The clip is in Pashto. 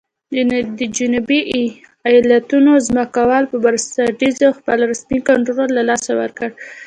د جنوبي ایالتونو ځمکوالو پر بنسټونو خپل رسمي کنټرول له لاسه ورکړ.